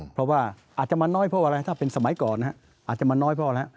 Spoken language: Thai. เพราะว่าอาจจะมาน้อยเพราะอะไรถ้าเป็นสมัยก่อนอาจจะมาน้อยพอแล้ว